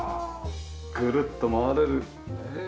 ぐるっと回れる。